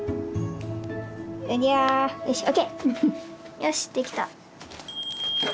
よしできた。